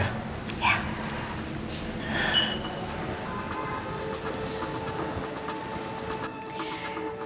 dan dia bukan halangan buat kita